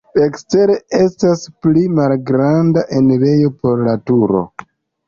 Ekstere estas pli malgranda enirejo por la turo.